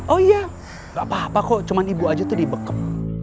oh iya gak apa apa kok cuma ibu aja tuh dibekep